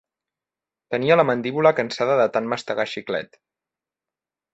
Tenia la mandíbula cansada de tant mastegar xiclet.